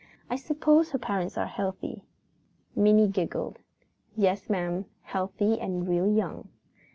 I suppose her parents are healthy?" Minnie giggled. "Yes, ma'am; healthy and real young."